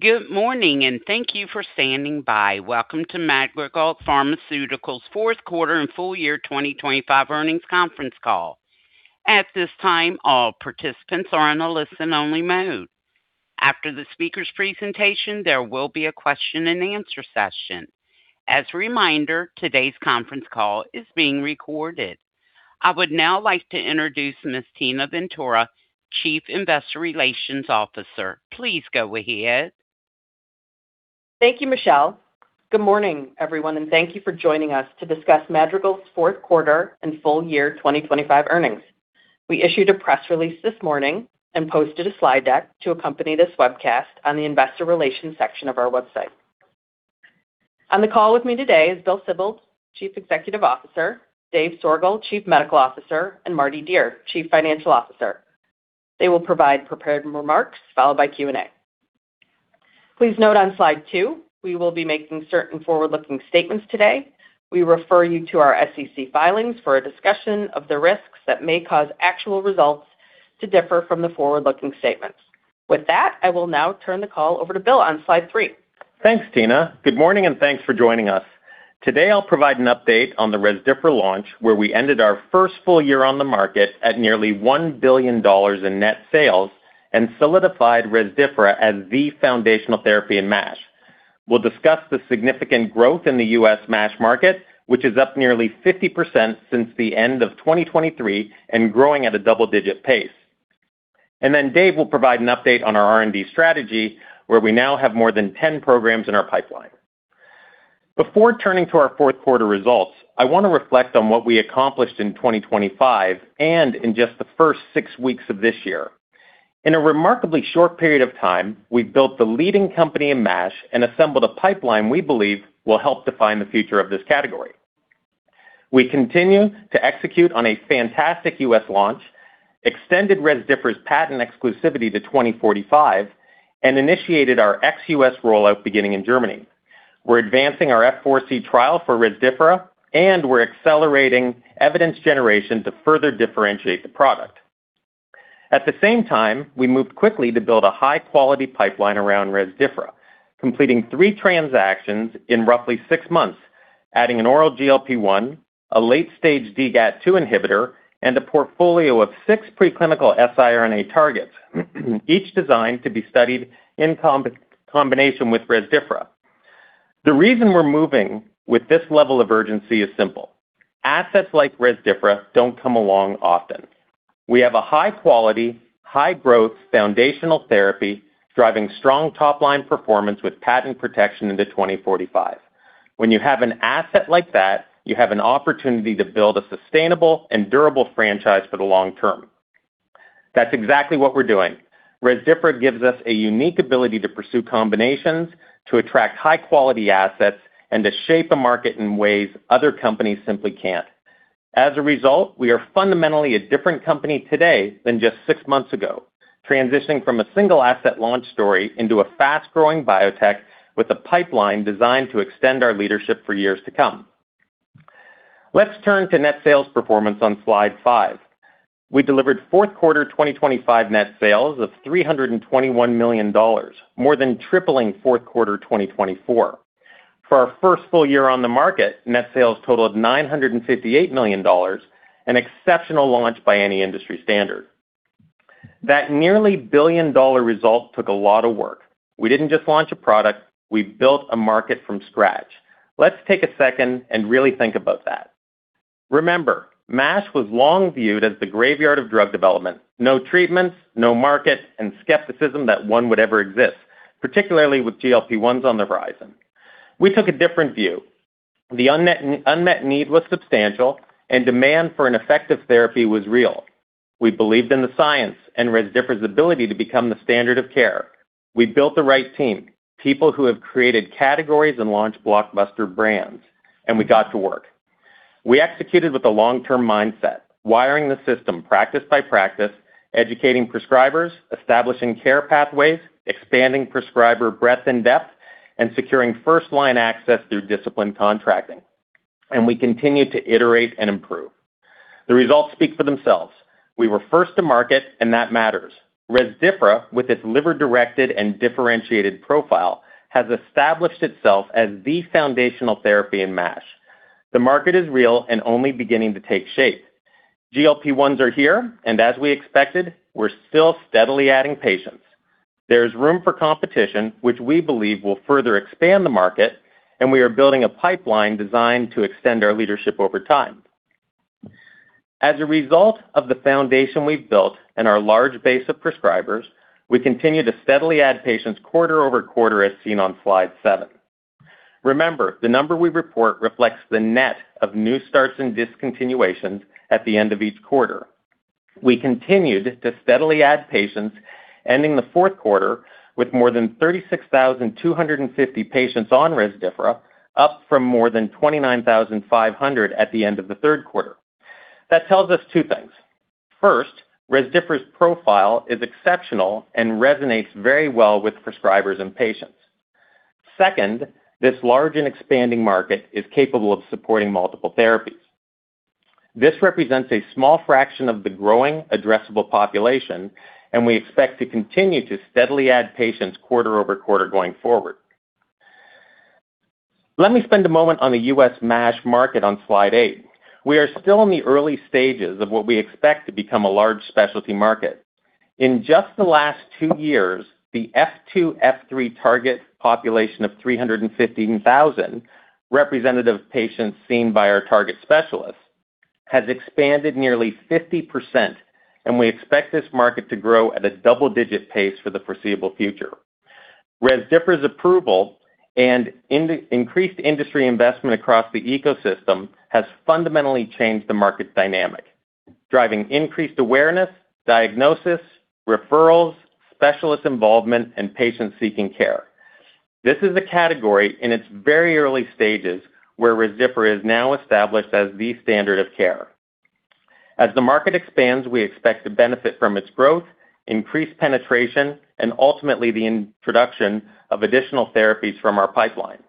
Good morning, and thank you for standing by. Welcome to Madrigal Pharmaceuticals' fourth quarter and full year 2025 earnings conference call. At this time, all participants are on a listen-only mode. After the speaker's presentation, there will be a question-and-answer session. As a reminder, today's conference call is being recorded. I would now like to introduce Ms. Tina Ventura, Chief Investor Relations Officer. Please go ahead. Thank you, Michelle. Good morning, everyone, and thank you for joining us to discuss Madrigal's fourth quarter and full year 2025 earnings. We issued a press release this morning and posted a slide deck to accompany this webcast on the investor relations section of our website. On the call with me today is Bill Sibold, Chief Executive Officer; David Soergel, Chief Medical Officer; and Mardi Dier, Chief Financial Officer. They will provide prepared remarks, followed by Q&A. Please note on slide 2, we will be making certain forward-looking statements today. We refer you to our SEC filings for a discussion of the risks that may cause actual results to differ from the forward-looking statements. With that, I will now turn the call over to Bill on slide 3. Thanks, Tina. Good morning, and thanks for joining us. Today, I'll provide an update on the Rezdiffra launch, where we ended our first full year on the market at nearly $1 billion in net sales and solidified Rezdiffra as the foundational therapy in MASH. We'll discuss the significant growth in the US MASH market, which is up nearly 50% since the end of 2023 and growing at a double-digit pace. And then David will provide an update on our R&D strategy, where we now have more than 10 programs in our pipeline. Before turning to our fourth quarter results, I want to reflect on what we accomplished in 2025 and in just the first six weeks of this year. In a remarkably short period of time, we've built the leading company in MASH and assembled a pipeline we believe will help define the future of this category. We continue to execute on a fantastic US launch, extended Rezdiffra's patent exclusivity to 2045, and initiated our ex-US rollout beginning in Germany. We're advancing our F4-C trial for Rezdiffra, and we're accelerating evidence generation to further differentiate the product. At the same time, we moved quickly to build a high-quality pipeline around Rezdiffra, completing three transactions in roughly six months, adding an oral GLP-1, a late-stage DGAT-2 inhibitor, and a portfolio of six preclinical siRNA targets, each designed to be studied in combination with Rezdiffra. The reason we're moving with this level of urgency is simple: assets like Rezdiffra don't come along often. We have a high-quality, high-growth, foundational therapy driving strong top-line performance with patent protection into 2045. When you have an asset like that, you have an opportunity to build a sustainable and durable franchise for the long term. That's exactly what we're doing. Rezdiffra gives us a unique ability to pursue combinations, to attract high-quality assets, and to shape a market in ways other companies simply can't. As a result, we are fundamentally a different company today than just six months ago, transitioning from a single-asset launch story into a fast-growing biotech with a pipeline designed to extend our leadership for years to come. Let's turn to net sales performance on slide 5. We delivered fourth quarter 2025 net sales of $321 million, more than tripling fourth quarter 2024. For our first full year on the market, net sales totaled $958 million, an exceptional launch by any industry standard. That nearly billion-dollar result took a lot of work. We didn't just launch a product, we built a market from scratch. Let's take a second and really think about that. Remember, MASH was long viewed as the graveyard of drug development. No treatments, no market, and skepticism that one would ever exist, particularly with GLP-1s on the horizon. We took a different view. The unmet need was substantial, and demand for an effective therapy was real. We believed in the science and Rezdiffra's ability to become the standard of care. We built the right team, people who have created categories and launched blockbuster brands, and we got to work. We executed with a long-term mindset, wiring the system practice by practice, educating prescribers, establishing care pathways, expanding prescriber breadth and depth, and securing first-line access through disciplined contracting. And we continued to iterate and improve. The results speak for themselves. We were first to market, and that matters. Rezdiffra, with its liver-directed and differentiated profile, has established itself as the foundational therapy in MASH. The market is real and only beginning to take shape. GLP-1s are here, and as we expected, we're still steadily adding patients. There is room for competition, which we believe will further expand the market, and we are building a pipeline designed to extend our leadership over time. As a result of the foundation we've built and our large base of prescribers, we continue to steadily add patients quarter over quarter, as seen on slide seven. Remember, the number we report reflects the net of new starts and discontinuations at the end of each quarter. We continued to steadily add patients, ending the fourth quarter with more than 36,250 patients on Rezdiffra, up from more than 29,500 at the end of the third quarter. That tells us two things. First, Rezdiffra's profile is exceptional and resonates very well with prescribers and patients. Second, this large and expanding market is capable of supporting multiple therapies... This represents a small fraction of the growing addressable population, and we expect to continue to steadily add patients quarter over quarter going forward. Let me spend a moment on the US MASH market on slide 8. We are still in the early stages of what we expect to become a large specialty market. In just the last two years, the F2, F3 target population of 315,000 representative patients seen by our target specialists has expanded nearly 50%, and we expect this market to grow at a double-digit pace for the foreseeable future. Rezdiffra's approval and increased industry investment across the ecosystem has fundamentally changed the market dynamic, driving increased awareness, diagnosis, referrals, specialist involvement, and patients seeking care. This is a category in its very early stages, where Rezdiffra is now established as the standard of care. As the market expands, we expect to benefit from its growth, increased penetration, and ultimately, the introduction of additional therapies from our pipeline.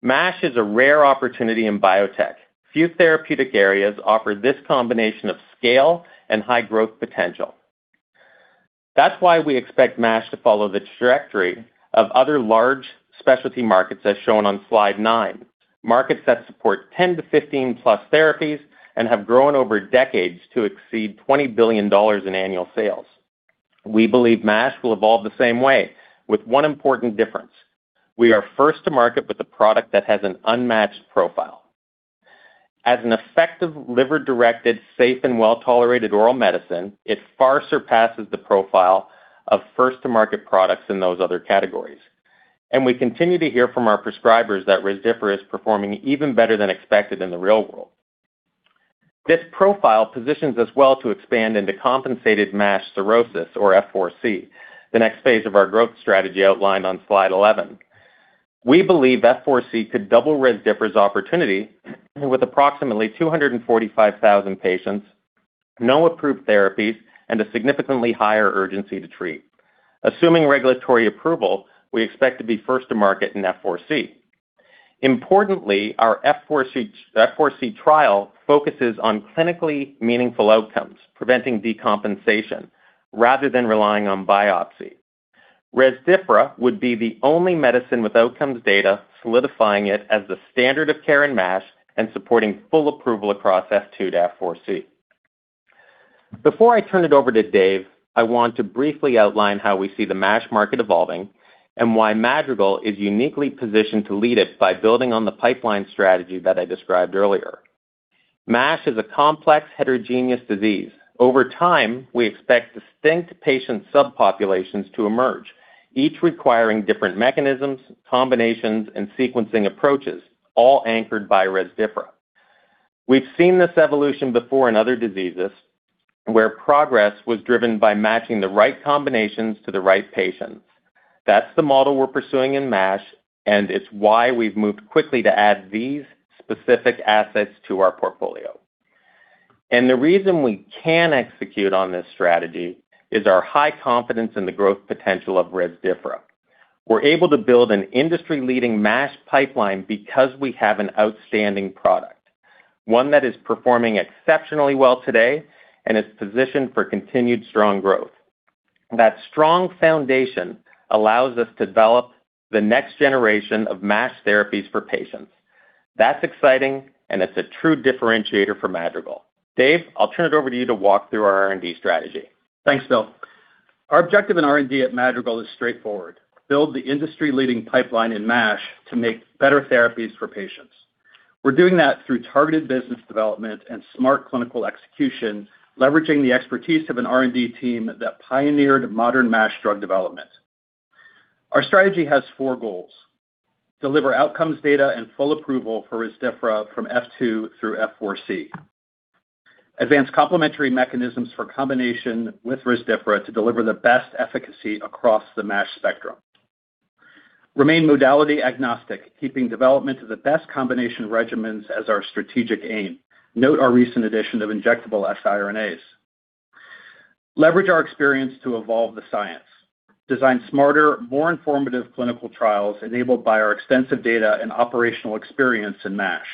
MASH is a rare opportunity in biotech. Few therapeutic areas offer this combination of scale and high growth potential. That's why we expect MASH to follow the trajectory of other large specialty markets, as shown on slide 9. Markets that support 10-15+ therapies and have grown over decades to exceed $20 billion in annual sales. We believe MASH will evolve the same way, with one important difference. We are first to market with a product that has an unmatched profile. As an effective liver-directed, safe, and well-tolerated oral medicine, it far surpasses the profile of first-to-market products in those other categories. And we continue to hear from our prescribers that Rezdiffra is performing even better than expected in the real world. This profile positions us well to expand into compensated MASH cirrhosis or F4c, the next phase of our growth strategy outlined on slide 11. We believe F4c could double Rezdiffra's opportunity with approximately 245,000 patients, no approved therapies, and a significantly higher urgency to treat. Assuming regulatory approval, we expect to be first to market in F4c. Importantly, our F4c, F4c trial focuses on clinically meaningful outcomes, preventing decompensation rather than relying on biopsy. Rezdiffra would be the only medicine with outcomes data, solidifying it as the standard of care in MASH and supporting full approval across F2 to F4c. Before I turn it over to Dave, I want to briefly outline how we see the MASH market evolving and why Madrigal is uniquely positioned to lead it by building on the pipeline strategy that I described earlier. MASH is a complex, heterogeneous disease. Over time, we expect distinct patient subpopulations to emerge, each requiring different mechanisms, combinations, and sequencing approaches, all anchored by Rezdiffra. We've seen this evolution before in other diseases, where progress was driven by matching the right combinations to the right patients. That's the model we're pursuing in MASH, and it's why we've moved quickly to add these specific assets to our portfolio. And the reason we can execute on this strategy is our high confidence in the growth potential of Rezdiffra. We're able to build an industry-leading MASH pipeline because we have an outstanding product, one that is performing exceptionally well today and is positioned for continued strong growth. That strong foundation allows us to develop the next generation of MASH therapies for patients. That's exciting, and it's a true differentiator for Madrigal. Dave, I'll turn it over to you to walk through our R&D strategy. Thanks, Bill. Our objective in R&D at Madrigal is straightforward: build the industry-leading pipeline in MASH to make better therapies for patients. We're doing that through targeted business development and smart clinical execution, leveraging the expertise of an R&D team that pioneered modern MASH drug development. Our strategy has 4 goals. Deliver outcomes, data, and full approval for Rezdiffra from F2 through F4c. Advance complementary mechanisms for combination with Rezdiffra to deliver the best efficacy across the MASH spectrum. Remain modality agnostic, keeping development of the best combination regimens as our strategic aim. Note our recent addition of injectable siRNAs. Leverage our experience to evolve the science. Design smarter, more informative clinical trials enabled by our extensive data and operational experience in MASH.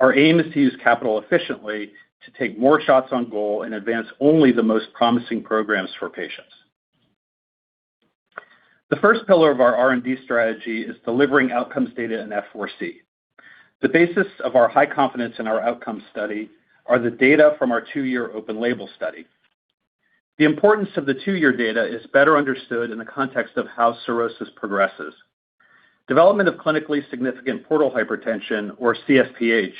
Our aim is to use capital efficiently to take more shots on goal and advance only the most promising programs for patients. The first pillar of our R&D strategy is delivering outcomes data in F4c. The basis of our high confidence in our outcomes study are the data from our 2-year open-label study. The importance of the 2-year data is better understood in the context of how cirrhosis progresses. Development of clinically significant portal hypertension, or CSPH,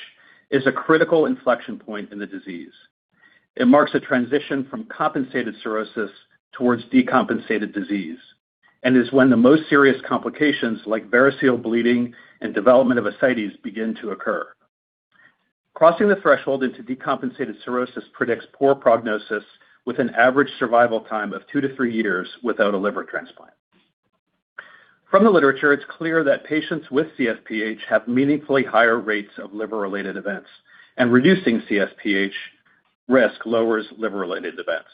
is a critical inflection point in the disease. It marks a transition from compensated cirrhosis towards decompensated disease and is when the most serious complications, like variceal bleeding and development of ascites, begin to occur. Crossing the threshold into decompensated cirrhosis predicts poor prognosis, with an average survival time of 2-3 years without a liver transplant. From the literature, it's clear that patients with CSPH have meaningfully higher rates of liver-related events, and reducing CSPH risk lowers liver-related events...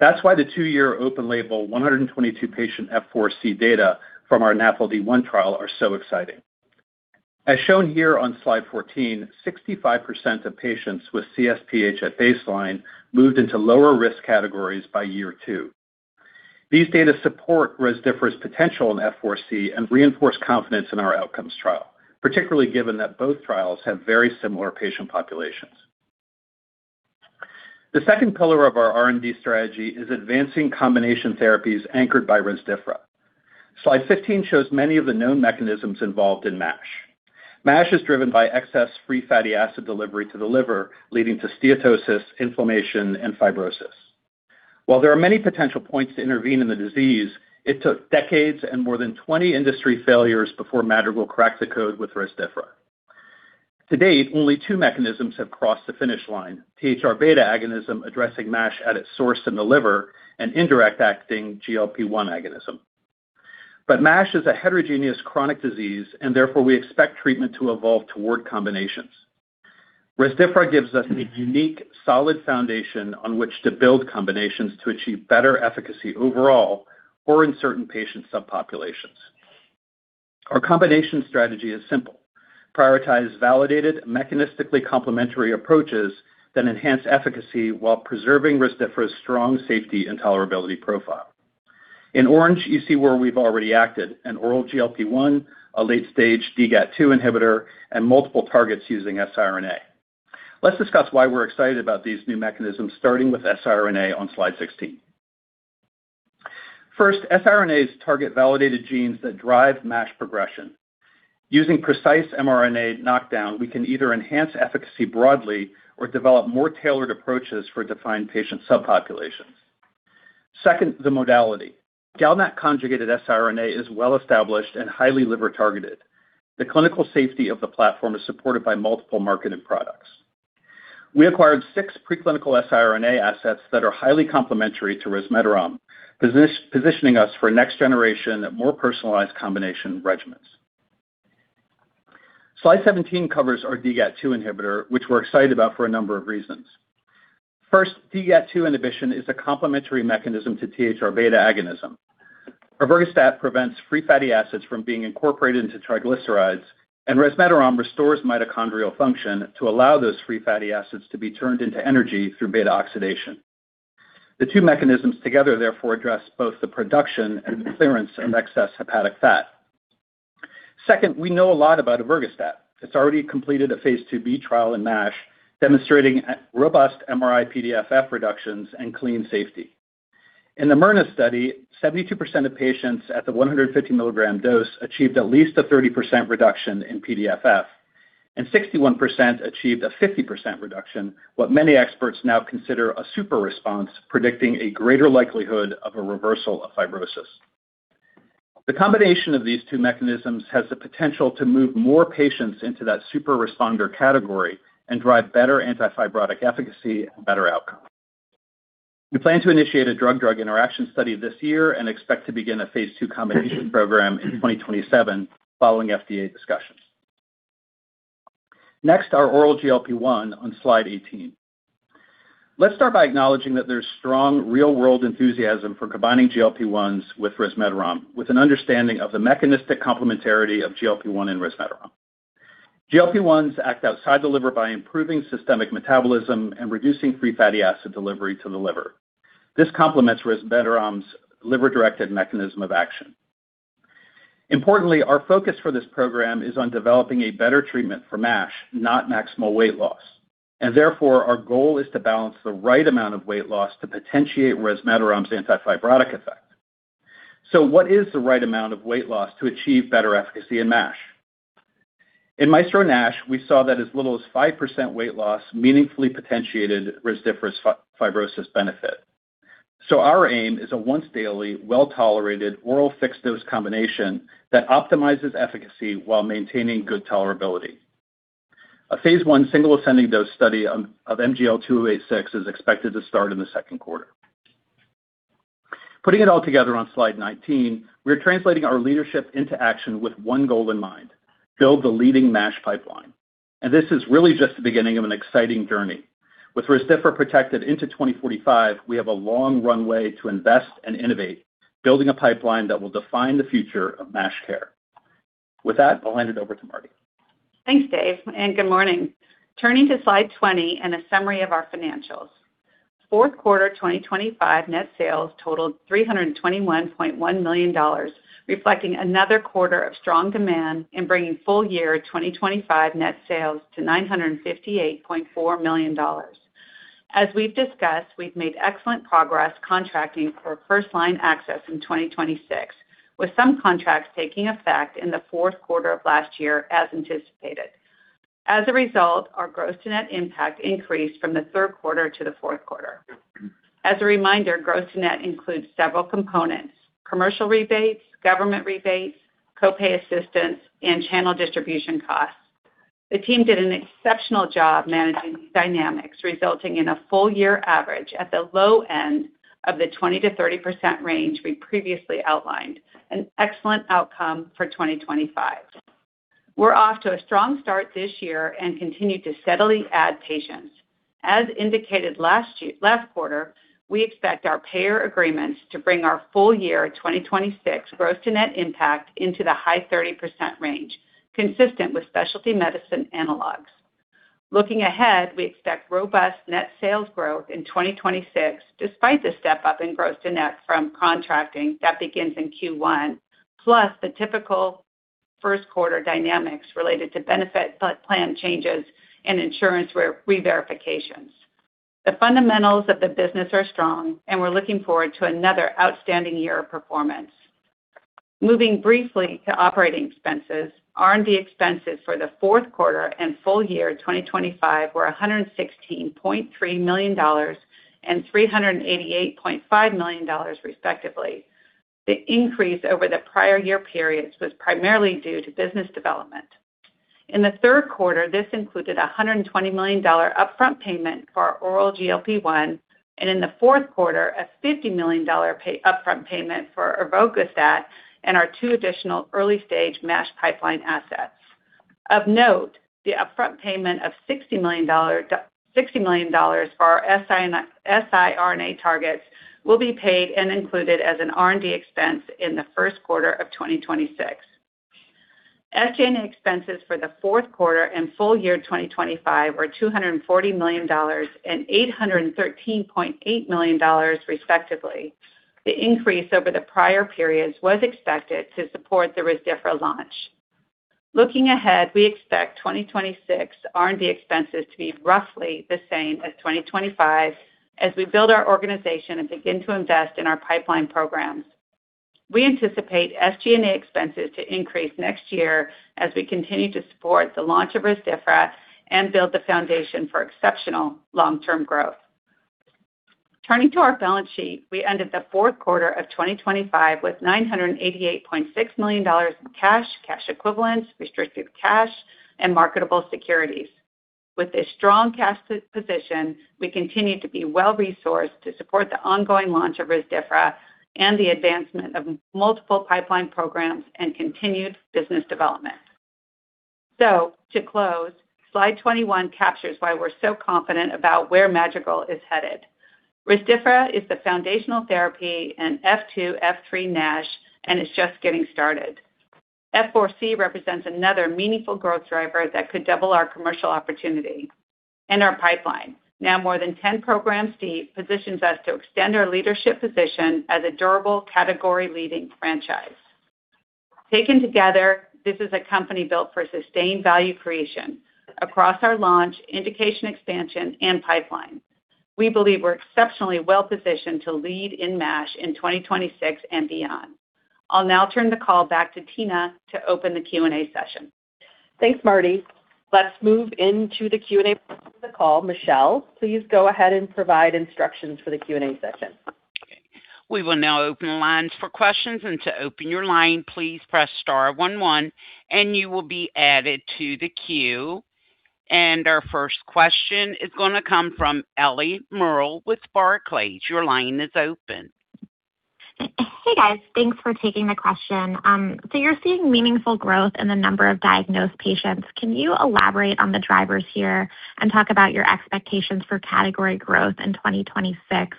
That's why the two-year open label, 122-patient F4C data from our NAFLD-1 trial are so exciting. As shown here on slide 14, 65% of patients with CSPH at baseline moved into lower risk categories by year two. These data support Rezdiffra's potential in F4C and reinforce confidence in our outcomes trial, particularly given that both trials have very similar patient populations. The second pillar of our R&D strategy is advancing combination therapies anchored by Rezdiffra. Slide 15 shows many of the known mechanisms involved in MASH. MASH is driven by excess free fatty acid delivery to the liver, leading to steatosis, inflammation, and fibrosis. While there are many potential points to intervene in the disease, it took decades and more than 20 industry failures before Madrigal cracked the code with Rezdiffra. To date, only two mechanisms have crossed the finish line: THR-β agonism, addressing MASH at its source in the liver, and indirect-acting GLP-1 agonism. But MASH is a heterogeneous chronic disease, and therefore, we expect treatment to evolve toward combinations. Rezdiffra gives us a unique, solid foundation on which to build combinations to achieve better efficacy overall or in certain patient subpopulations. Our combination strategy is simple: prioritize validated, mechanistically complementary approaches that enhance efficacy while preserving Rezdiffra's strong safety and tolerability profile. In orange, you see where we've already acted, an oral GLP-1, a late-stage DGAT-2 inhibitor, and multiple targets using siRNA. Let's discuss why we're excited about these new mechanisms, starting with siRNA on Slide 16. First, siRNAs target validated genes that drive MASH progression. Using precise mRNA knockdown, we can either enhance efficacy broadly or develop more tailored approaches for defined patient subpopulations. Second, the modality. GalNAc conjugated siRNA is well established and highly liver-targeted. The clinical safety of the platform is supported by multiple marketed products. We acquired six preclinical siRNA assets that are highly complementary to resmetirom, positioning us for next generation, more personalized combination regimens. Slide 17 covers our DGAT2 inhibitor, which we're excited about for a number of reasons. First, DGAT2 inhibition is a complementary mechanism to THR beta agonism. Ervogastat prevents free fatty acids from being incorporated into triglycerides, and resmetirom restores mitochondrial function to allow those free fatty acids to be turned into energy through beta oxidation. The two mechanisms together, therefore, address both the production and clearance of excess hepatic fat. Second, we know a lot about ervogastat. It's already completed a Phase 2B trial in MASH, demonstrating a robust MRI-PDFF reductions and clean safety. In the MYRNA study, 72% of patients at the 150 mg dose achieved at least a 30% reduction in PDFF, and 61% achieved a 50% reduction, what many experts now consider a super response, predicting a greater likelihood of a reversal of fibrosis. The combination of these two mechanisms has the potential to move more patients into that super responder category and drive better antifibrotic efficacy and better outcomes. We plan to initiate a drug-drug interaction study this year and expect to begin a phase 2 combination program in 2027 following FDA discussions. Next, our oral GLP-1 on Slide 18. Let's start by acknowledging that there's strong real-world enthusiasm for combining GLP-1s with resmetirom, with an understanding of the mechanistic complementarity of GLP-1 and resmetirom. GLP-1s act outside the liver by improving systemic metabolism and reducing free fatty acid delivery to the liver. This complements resmetirom's liver-directed mechanism of action. Importantly, our focus for this program is on developing a better treatment for MASH, not maximal weight loss, and therefore, our goal is to balance the right amount of weight loss to potentiate resmetirom's antifibrotic effect. So what is the right amount of weight loss to achieve better efficacy in MASH? In MAESTRO-NASH, we saw that as little as 5% weight loss meaningfully potentiated Rezdiffra's fibrosis benefit. So our aim is a once-daily, well-tolerated, oral fixed-dose combination that optimizes efficacy while maintaining good tolerability. A phase 1 single-ascending dose study of MGL-2086 is expected to start in the second quarter. Putting it all together on Slide 19, we are translating our leadership into action with one goal in mind: build the leading MASH pipeline. This is really just the beginning of an exciting journey. With Rezdiffra protected into 2045, we have a long runway to invest and innovate, building a pipeline that will define the future of MASH care. With that, I'll hand it over to Mardi. Thanks, Dave, and good morning. Turning to Slide 20 and a summary of our financials. Fourth quarter 2025 net sales totaled $321.1 million, reflecting another quarter of strong demand and bringing full year 2025 net sales to $958.4 million. As we've discussed, we've made excellent progress contracting for first-line access in 2026, with some contracts taking effect in the fourth quarter of last year, as anticipated. As a result, our Gross to net impact increased from the third quarter to the fourth quarter. As a reminder, Gross to net includes several components: commercial rebates, government rebates, co-pay assistance, and channel distribution costs. The team did an exceptional job managing these dynamics, resulting in a full year average at the low end of the 20%-30% range we previously outlined, an excellent outcome for 2025. We're off to a strong start this year and continue to steadily add patients. As indicated last year, last quarter, we expect our payer agreements to bring our full year 2026 gross to net impact into the high 30% range, consistent with specialty medicine analogs. Looking ahead, we expect robust net sales growth in 2026, despite the step-up in gross to net from contracting that begins in Q1, plus the typical first quarter dynamics related to benefit plan changes and insurance re-verifications. The fundamentals of the business are strong, and we're looking forward to another outstanding year of performance. Moving briefly to operating expenses, R&D expenses for the fourth quarter and full year 2025 were $116.3 million and $388.5 million, respectively. The increase over the prior year periods was primarily due to business development. In the third quarter, this included a $120 million upfront payment for our oral GLP-1, and in the fourth quarter, a $50 million upfront payment for Ervogastat and our two additional early-stage MASH pipeline assets. Of note, the upfront payment of $60 million for our siRNA targets will be paid and included as an R&D expense in the first quarter of 2026. SG&A expenses for the fourth quarter and full year 2025 were $240 million and $813.8 million, respectively. The increase over the prior periods was expected to support the Rezdiffra launch. Looking ahead, we expect 2026 R&D expenses to be roughly the same as 2025, as we build our organization and begin to invest in our pipeline programs. We anticipate SG&A expenses to increase next year as we continue to support the launch of Rezdiffra and build the foundation for exceptional long-term growth. Turning to our balance sheet, we ended the fourth quarter of 2025 with $988.6 million in cash, cash equivalents, restricted cash, and marketable securities. With this strong cash position, we continue to be well resourced to support the ongoing launch of Rezdiffra and the advancement of multiple pipeline programs and continued business development. So to close, slide 21 captures why we're so confident about where Madrigal is headed. Rezdiffra is the foundational therapy in F2, F3 MASH, and it's just getting started. F4c represents another meaningful growth driver that could double our commercial opportunity. Our pipeline, now more than 10 programs deep, positions us to extend our leadership position as a durable, category-leading franchise. Taken together, this is a company built for sustained value creation across our launch, indication expansion, and pipeline. We believe we're exceptionally well positioned to lead in MASH in 2026 and beyond. I'll now turn the call back to Tina to open the Q&A session. Thanks, Mardi. Let's move into the Q&A part of the call. Michelle, please go ahead and provide instructions for the Q&A session. We will now open the lines for questions. To open your line, please press star one, one, and you will be added to the queue. Our first question is going to come from Ellie Merle with Barclays. Your line is open. Hey, guys. Thanks for taking the question. So you're seeing meaningful growth in the number of diagnosed patients. Can you elaborate on the drivers here and talk about your expectations for category growth in 2026?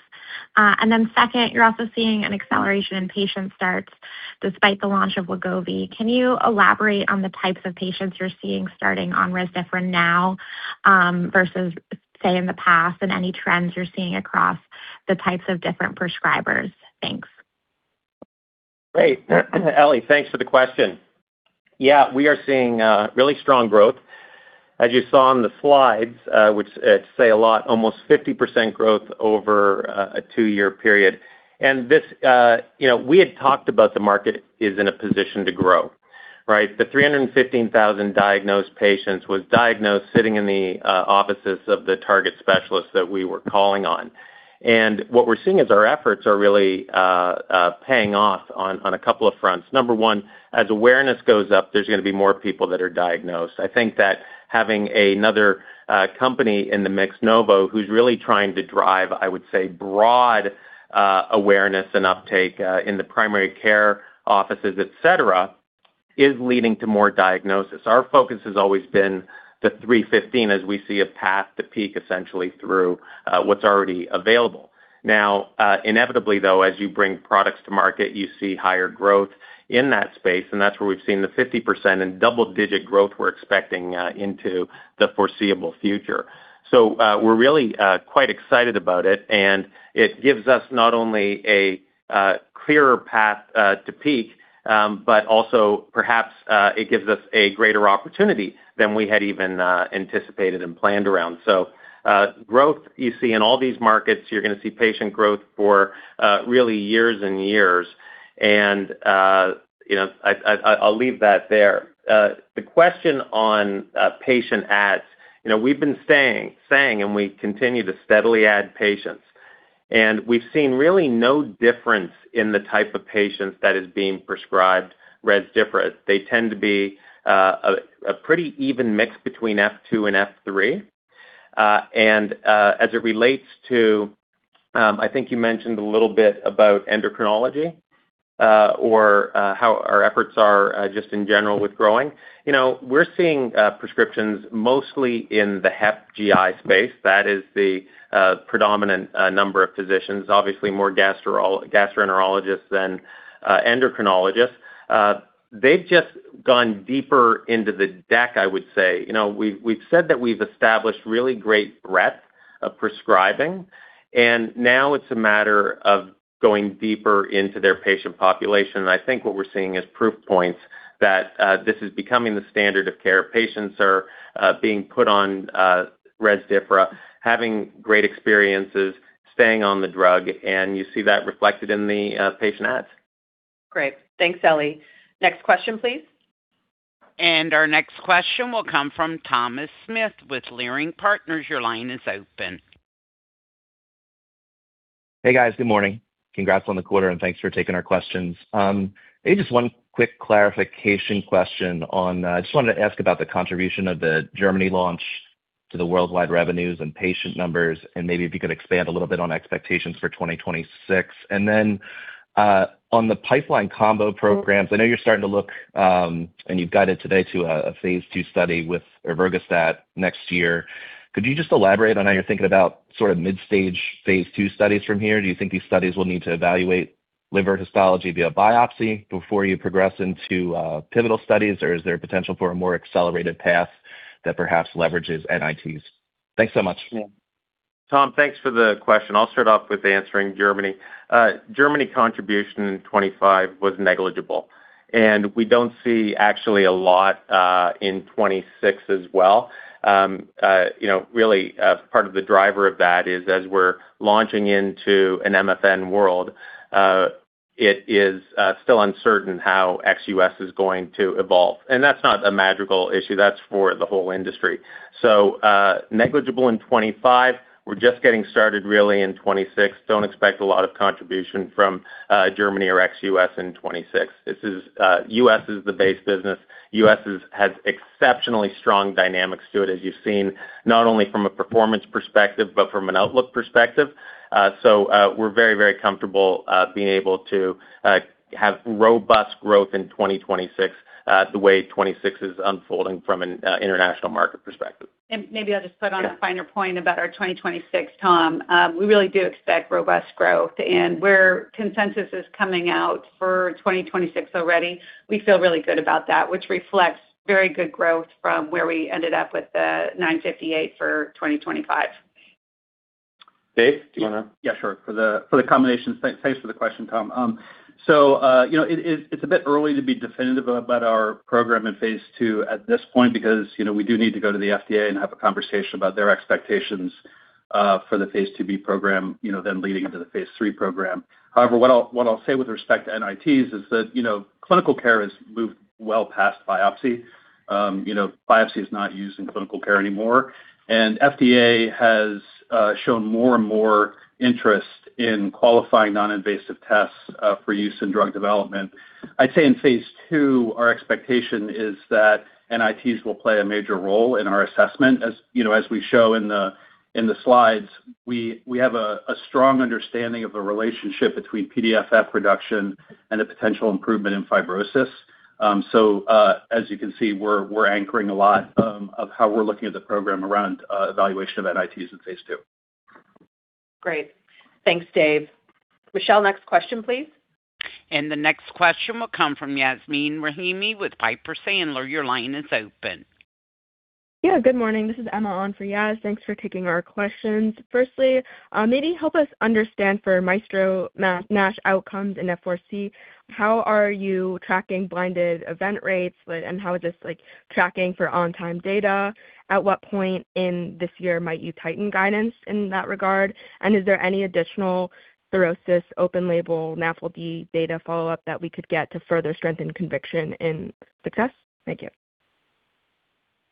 And then second, you're also seeing an acceleration in patient starts despite the launch of Wegovy. Can you elaborate on the types of patients you're seeing starting on Rezdiffra now, versus, say, in the past, and any trends you're seeing across the types of different prescribers? Thanks. Great. Ellie, thanks for the question. Yeah, we are seeing really strong growth. As you saw on the slides, which say a lot, almost 50% growth over a two-year period. And this, you know, we had talked about the market is in a position to grow, right? The 315,000 diagnosed patients was diagnosed sitting in the offices of the target specialists that we were calling on. And what we're seeing is our efforts are really paying off on a couple of fronts. Number one, as awareness goes up, there's gonna be more people that are diagnosed. I think that having another company in the mix, Novo, who's really trying to drive, I would say, broad awareness and uptake in the primary care offices, et cetera, is leading to more diagnosis. Our focus has always been the $315, as we see a path to peak, essentially, through what's already available. Now, inevitably, though, as you bring products to market, you see higher growth in that space, and that's where we've seen the 50% and double-digit growth we're expecting into the foreseeable future. So, we're really quite excited about it, and it gives us not only a clearer path to peak, but also perhaps it gives us a greater opportunity than we had even anticipated and planned around. So, growth you see in all these markets, you're going to see patient growth for really years and years. And, you know, I'll leave that there. The question on patient adds, you know, we've been staying, and we continue to steadily add patients, and we've seen really no difference in the type of patients that is being prescribed Rezdiffra. They tend to be a pretty even mix between F2 and F3 and as it relates to, I think you mentioned a little bit about endocrinology, or how our efforts are just in general with growing. You know, we're seeing prescriptions mostly in the hep GI space. That is the predominant number of physicians, obviously more gastroenterologists than endocrinologists. They've just gone deeper into the deck, I would say. You know, we've said that we've established really great breadth of prescribing, and now it's a matter of going deeper into their patient population. And I think what we're seeing is proof points that this is becoming the standard of care. Patients are being put on Rezdiffra, having great experiences, staying on the drug, and you see that reflected in the patient adds. Great. Thanks, Ellie. Next question, please. Our next question will come from Thomas Smith with Leerink Partners. Your line is open. Hey, guys. Good morning. Congrats on the quarter, and thanks for taking our questions. Hey, just one quick clarification question on, I just wanted to ask about the contribution of the Germany launch to the worldwide revenues and patient numbers, and maybe if you could expand a little bit on expectations for 2026. And then, on the pipeline combo programs, I know you're starting to look, and you've guided today to a phase 2 study with Ervogastat next year. Could you just elaborate on how you're thinking about sort of mid-stage phase 2 studies from here? Do you think these studies will need to evaluate liver histology via biopsy before you progress into pivotal studies, or is there potential for a more accelerated path that perhaps leverages NITs? Thanks so much. Tom, thanks for the question. I'll start off with answering Germany. Germany contribution in 2025 was negligible, and we don't see actually a lot in 2026 as well. You know, really, part of the driver of that is as we're launching into an MFN world, it is still uncertain how ex-US is going to evolve. And that's not a Madrigal issue, that's for the whole industry. So, negligible in 2025. We're just getting started really in 2026. Don't expect a lot of contribution from Germany or ex-US in 2026. This is, US is the base business. US is, has exceptionally strong dynamics to it, as you've seen, not only from a performance perspective, but from an outlook perspective. We're very, very comfortable being able to have robust growth in 2026, the way 2026 is unfolding from an international market perspective. Maybe I'll just put on a finer point- Yeah. about our 2026, Tom. We really do expect robust growth, and where consensus is coming out for 2026 already, we feel really good about that, which reflects very good growth from where we ended up with the $958 for 2025. Dave, do you want to- Yeah, sure. For the, for the combination... Thanks, thanks for the question, Tom. So, you know, it's a bit early to be definitive about our program in phase two at this point, because, you know, we do need to go to the FDA and have a conversation about their expectations for the phase two B program, you know, then leading into the phase three program. However, what I'll say with respect to NITs is that, you know, clinical care has moved well past biopsy. You know, biopsy is not used in clinical care anymore, and FDA has shown more and more interest in qualifying non-invasive tests for use in drug development. I'd say in phase two, our expectation is that NITs will play a major role in our assessment. As you know, as we show in the slides, we have a strong understanding of the relationship between PDFF reduction and a potential improvement in fibrosis. So, as you can see, we're anchoring a lot of how we're looking at the program around evaluation of NITs in phase two. Great. Thanks, Dave. Michelle, next question, please. The next question will come from Yasmin Rahimi with Piper Sandler. Your line is open. Yeah, good morning. This is Emma on for Yas. Thanks for taking our questions. Firstly, maybe help us understand for MAESTRO-NASH outcomes in F4C, how are you tracking blinded event rates, and how is this like tracking for on-time data? At what point in this year might you tighten guidance in that regard? And is there any additional cirrhosis, open label, NAFLD data follow-up that we could get to further strengthen conviction and success? Thank you.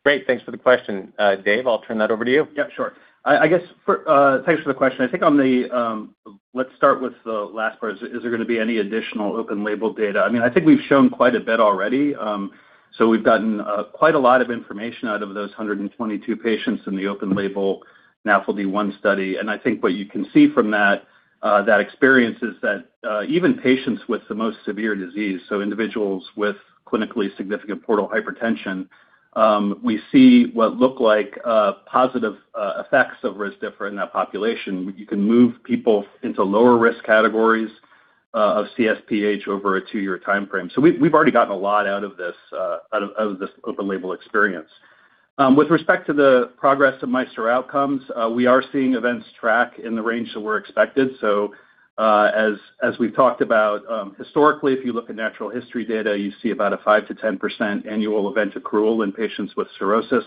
Great, thanks for the question. Dave, I'll turn that over to you. Yeah, sure. I guess for... Thanks for the question. I think on the, let's start with the last part. Is there gonna be any additional open label data? I mean, I think we've shown quite a bit already. So we've gotten quite a lot of information out of those 122 patients in the open label, NAFLD-1 study. And I think what you can see from that, that experience is that, even patients with the most severe disease, so individuals with clinically significant portal hypertension, we see what look like positive effects of Rezdiffra in that population. You can move people into lower risk categories of CSPH over a 2-year timeframe. So we've already gotten a lot out of this, out of this open label experience. With respect to the progress of MAESTRO outcomes, we are seeing events track in the range that were expected. So, as, as we've talked about, historically, if you look at natural history data, you see about a 5%-10% annual event accrual in patients with cirrhosis.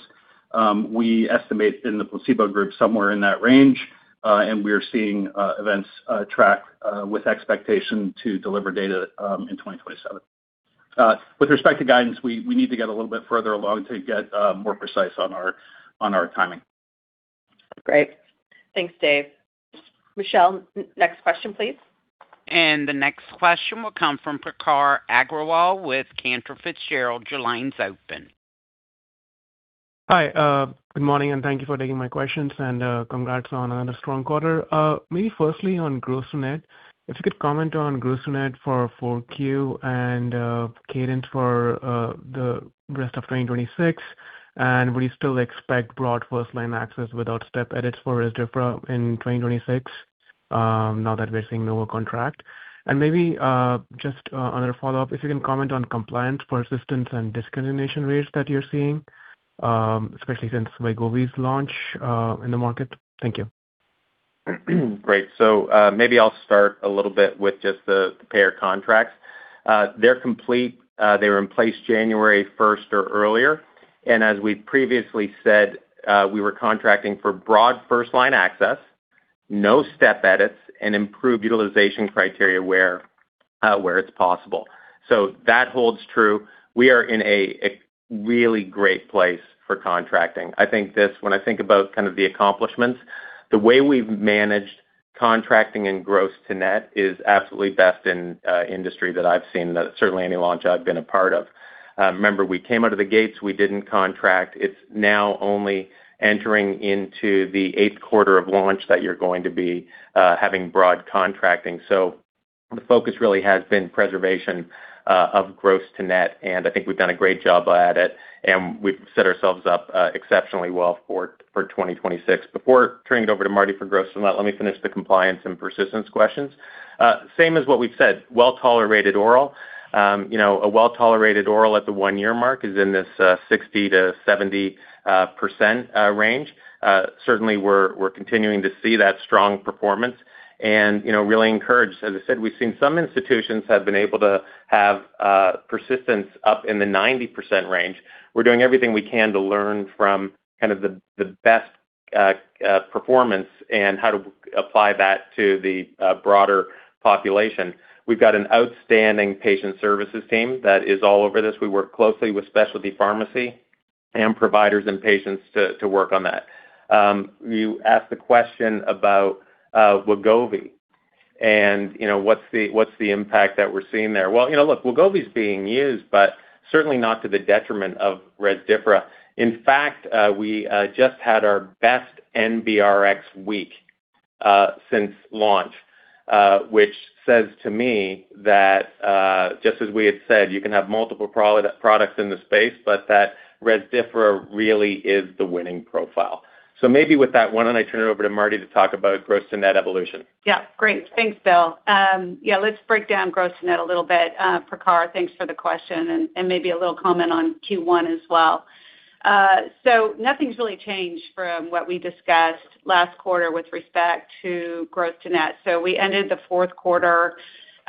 We estimate in the placebo group somewhere in that range, and we are seeing events track with expectation to deliver data in 2027. With respect to guidance, we, we need to get a little bit further along to get more precise on our, on our timing. Great. Thanks, Dave. Michelle, next question, please.... The next question will come from Prakar Agrawal with Cantor Fitzgerald. Your line's open. Hi, good morning, and thank you for taking my questions, and, congrats on another strong quarter. Maybe firstly, on gross to net, if you could comment on gross to net for Q1 and cadence for the rest of 2026. Will you still expect broad first line access without step edits for Rezdiffra in 2026, now that we're seeing no contract? Maybe just another follow-up, if you can comment on compliance, persistence, and discontinuation rates that you're seeing, especially since Wegovy's launch in the market. Thank you. Great. So, maybe I'll start a little bit with just the payer contracts. They're complete. They were in place January first or earlier, and as we previously said, we were contracting for broad first line access, no step edits, and improved utilization criteria where where it's possible. So that holds true. We are in a really great place for contracting. I think this, when I think about kind of the accomplishments, the way we've managed contracting and gross to net is absolutely best in industry that I've seen, certainly any launch I've been a part of. Remember, we came out of the gates, we didn't contract. It's now only entering into the eighth quarter of launch that you're going to be having broad contracting. So the focus really has been preservation of gross to net, and I think we've done a great job at it, and we've set ourselves up exceptionally well for 2026. Before turning it over to Mardi for gross to net, let me finish the compliance and persistence questions. Same as what we've said, well-tolerated oral. You know, a well-tolerated oral at the one-year mark is in this 60%-70% range. Certainly, we're continuing to see that strong performance and, you know, really encouraged. As I said, we've seen some institutions have been able to have persistence up in the 90% range. We're doing everything we can to learn from kind of the best performance and how to apply that to the broader population. We've got an outstanding patient services team that is all over this. We work closely with specialty pharmacy and providers and patients to work on that. You asked the question about Wegovy, and you know, what's the, what's the impact that we're seeing there? Well, you know, look, Wegovy's being used, but certainly not to the detriment of Rezdiffra. In fact, we just had our best NBRX week since launch, which says to me that just as we had said, you can have multiple products in the space, but that Rezdiffra really is the winning profile. So maybe with that one, why don't I turn it over to Mardi to talk about gross to net evolution? Yeah. Great. Thanks, Bill. Yeah, let's break down gross to net a little bit. Prakar, thanks for the question, and maybe a little comment on Q1 as well. So nothing's really changed from what we discussed last quarter with respect to gross to net. So we ended the fourth quarter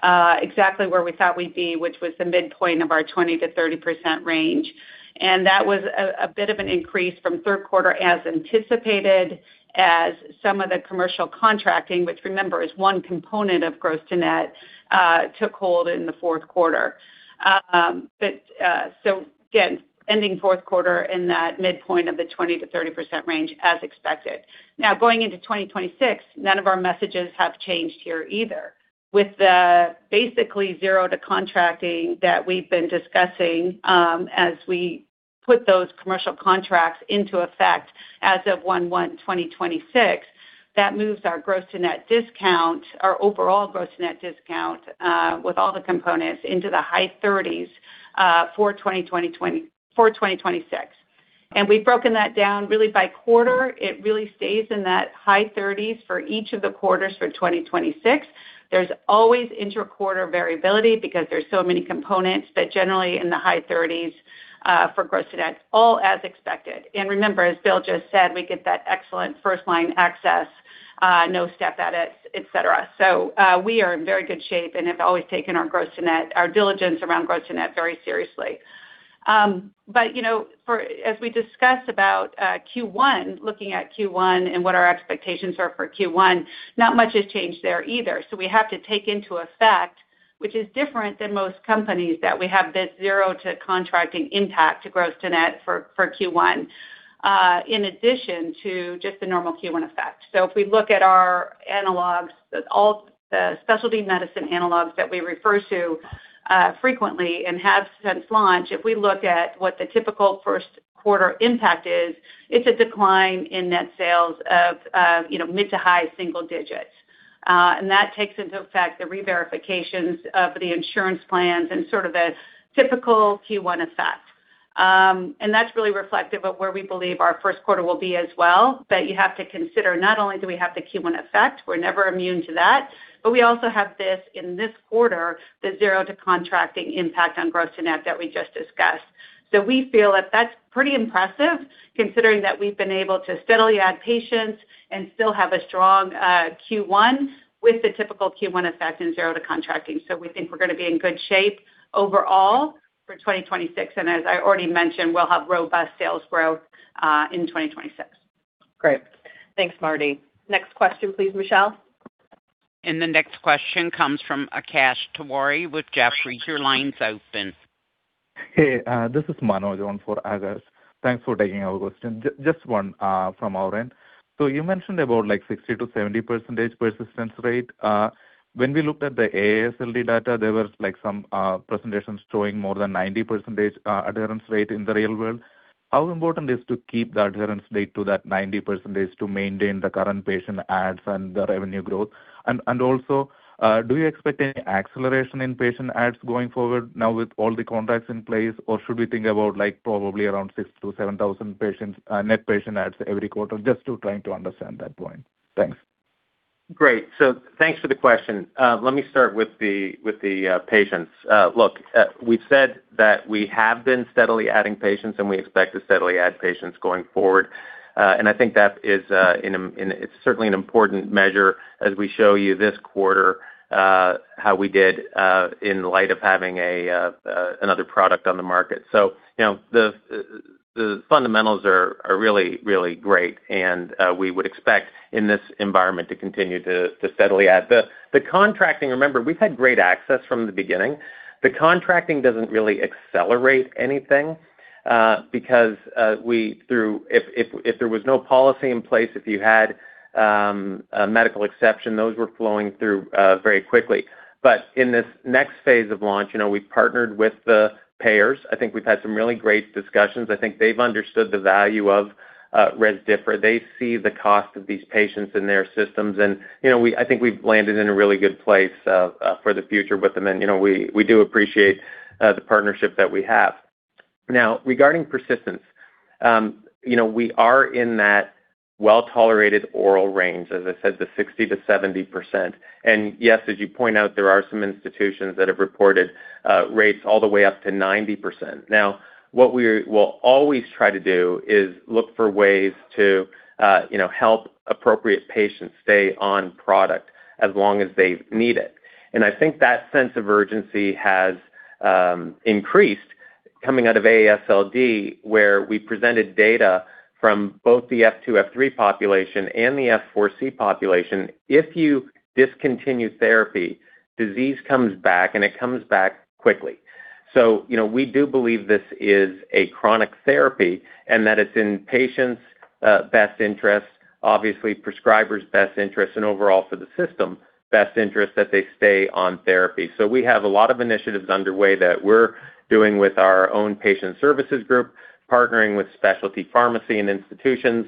exactly where we thought we'd be, which was the midpoint of our 20%-30% range. And that was a bit of an increase from third quarter, as anticipated, as some of the commercial contracting, which remember, is one component of gross to net, took hold in the fourth quarter. But so again, ending fourth quarter in that midpoint of the 20%-30% range, as expected. Now, going into 2026, none of our messages have changed here either. With the basically zero to contracting that we've been discussing, as we put those commercial contracts into effect as of 1/1/2026, that moves our gross to net discount, our overall gross net discount, with all the components into the high thirties, for 2026. And we've broken that down really by quarter. It really stays in that high thirties for each of the quarters for 2026. There's always interquarter variability because there's so many components, but generally in the high thirties, for gross to net, all as expected. And remember, as Bill just said, we get that excellent first line access, no step edits, et cetera. So, we are in very good shape and have always taken our gross to net, our diligence around gross to net very seriously. But you know, for... As we discuss about Q1, looking at Q1 and what our expectations are for Q1, not much has changed there either. So we have to take into effect, which is different than most companies, that we have this zero to contracting impact to gross to net for Q1, in addition to just the normal Q1 effect. So if we look at our analogs, all the specialty medicine analogs that we refer to frequently and have since launch, if we look at what the typical first quarter impact is, it's a decline in net sales of, you know, mid- to high-single digits. And that takes into effect the reverifications of the insurance plans and sort of the typical Q1 effect. And that's really reflective of where we believe our first quarter will be as well. But you have to consider not only do we have the Q1 effect, we're never immune to that, but we also have this in this quarter, the zero to contracting impact on gross to net that we just discussed. So we feel that that's pretty impressive, considering that we've been able to steadily add patients and still have a strong Q1 with the typical Q1 effect and zero to contracting. So we think we're gonna be in good shape overall for 2026, and as I already mentioned, we'll have robust sales growth in 2026. Great. Thanks, Mardi. Next question, please, Michelle. The next question comes from Akash Tewari with Jefferies. Your line's open. Hey, this is Manoj on for Akash. Thanks for taking our question. Just one from our end. So you mentioned about like 60%-70% persistence rate. When we looked at the AASLD data, there were, like, some presentations showing more than 90% adherence rate in the real world. How important is to keep the adherence rate to that 90% to maintain the current patient adds and the revenue growth? And also, do you expect any acceleration in patient adds going forward now with all the contracts in place, or should we think about like probably around 6,000-7,000 patients net patient adds every quarter? Just to trying to understand that point. Thanks. Great. So thanks for the question. Let me start with the patients. Look, we've said that we have been steadily adding patients, and we expect to steadily add patients going forward. And I think that is, and it's certainly an important measure as we show you this quarter, how we did, in light of having a another product on the market. So you know, the fundamentals are really, really great, and we would expect in this environment to continue to steadily add. The contracting... Remember, we've had great access from the beginning. The contracting doesn't really accelerate anything, because, if there was no policy in place, if you had a medical exception, those were flowing through very quickly. But in this next phase of launch, you know, we've partnered with the payers. I think we've had some really great discussions. I think they've understood the value of Rezdiffra. They see the cost of these patients in their systems, and, you know, I think we've landed in a really good place for the future with them, and, you know, we do appreciate the partnership that we have. Now, regarding persistence, you know, we are in that well-tolerated oral range, as I said, the 60%-70%. And yes, as you point out, there are some institutions that have reported rates all the way up to 90%. Now, what we will always try to do is look for ways to, you know, help appropriate patients stay on product as long as they need it. I think that sense of urgency has increased coming out of AASLD, where we presented data from both the F2, F3 population and the F4C population. If you discontinue therapy, disease comes back, and it comes back quickly. So, you know, we do believe this is a chronic therapy and that it's in patients' best interest, obviously prescribers' best interest, and overall for the system best interest, that they stay on therapy. So we have a lot of initiatives underway that we're doing with our own patient services group, partnering with specialty pharmacy and institutions,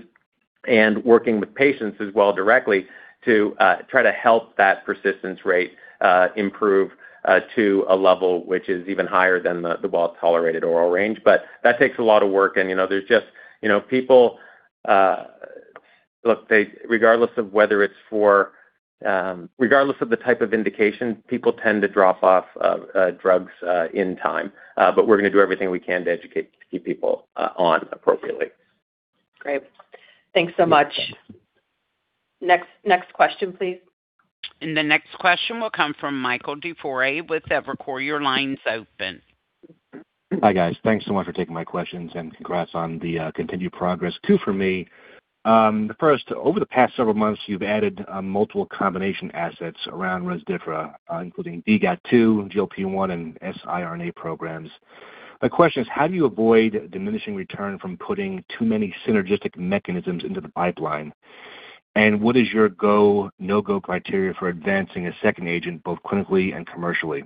and working with patients as well directly to try to help that persistence rate improve to a level which is even higher than the well-tolerated oral range. But that takes a lot of work, and, you know, there's just... You know, people, look, they regardless of whether it's for, regardless of the type of indication, people tend to drop off of drugs in time. But we're gonna do everything we can to educate, to keep people on appropriately. Great. Thanks so much. Next, next question, please. The next question will come from Michael Dufour with Evercore. Your line's open. Hi, guys. Thanks so much for taking my questions, and congrats on the continued progress. Two for me. The first, over the past several months, you've added multiple combination assets around Rezdiffra, including DGAT2, GLP-1, and siRNA programs. My question is: How do you avoid diminishing return from putting too many synergistic mechanisms into the pipeline? And what is your go, no-go criteria for advancing a second agent, both clinically and commercially?